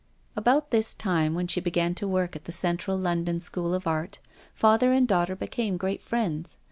About this time, when she began to work at the Central London School of Art, father and daughter became great friends.